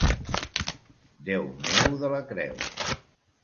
Déu meu de la creu!